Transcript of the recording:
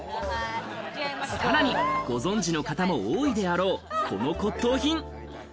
さらに、ご存じの方も多いであろう、この骨董品。